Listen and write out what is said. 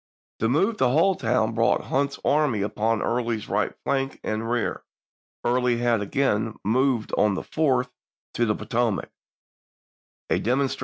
The move to Halltown brought Hunter's army upon Early's right flank and rear. Early had again moved on the 4th to the Potomac — a demonstra Aug.